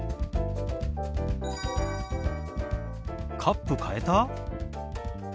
カップ変えた？